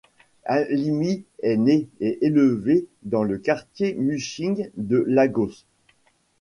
Alimi est né et élevé dans le quartier Mushin de Lagos.